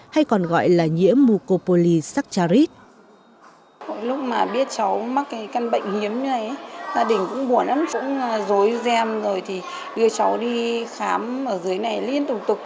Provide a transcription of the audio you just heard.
hay còn gọi là nhiễm mucopoly saccharide